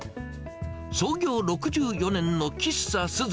創業６４年の喫茶寿々。